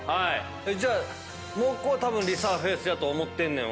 じゃあもう１個はたぶんリサーフェイスやと思ってんねん